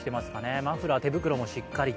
マフラー、手袋もしっかりと。